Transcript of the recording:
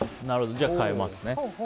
じゃあ、変えますね。